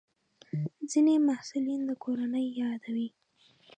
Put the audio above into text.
ځینې محصلین د کورنۍ یادوي.